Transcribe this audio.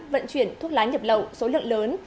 vận chuyển thuốc lá nhập lậu số lượng lớn